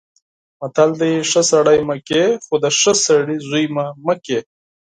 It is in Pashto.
متل دی: ښه سړی مې کړې خو د ښه سړي زوی مې مه کړې.